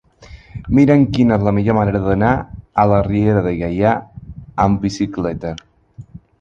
Mira'm quina és la millor manera d'anar a la Riera de Gaià amb bicicleta.